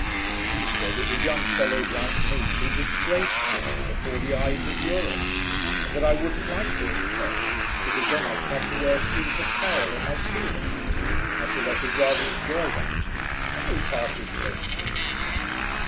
She said it was young fellows like me who disgraced Britain before the eyes of Europe, and that I wouldn't like being fetched, because then I should have to wear C for Coward on my tunic. I said I should rather enjoy that, and we parted pleasantly.'